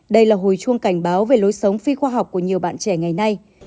đây là hồi chuông cảnh báo về lối sống phi khoa học của nhiều bạn trẻ ngày nay